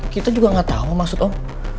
kita juga gak tahu maksud om